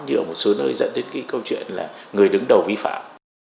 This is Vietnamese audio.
như ở một số nơi dẫn đến cái câu chuyện là người đứng đầu vi phạm